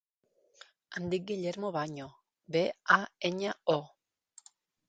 Em dic Guillermo Baño: be, a, enya, o.